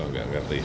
saya tidak mengerti